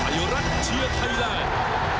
อยู่รักที่ไทยแล้ว